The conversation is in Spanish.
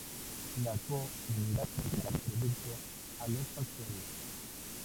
La co-unidad da las proyecciones naturales del producto a los factores.